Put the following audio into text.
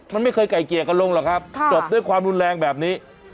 มันไม่เคยไก่เกลี่ยกันลงหรอกครับจบด้วยความรุนแรงแบบนี้